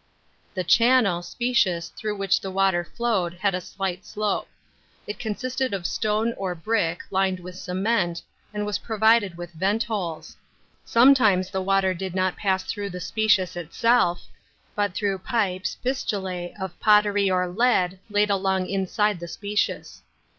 § 17. The channel (.specw.s) through which the water flowed had a slight slope. It consist d of stone or brick, lined with cement, and was provided with vent holes. Sometimes the water did not pass through the spec/is itself, but through pip s (/E«/ttJ*»)of pottery or lead laid along inside the spccus.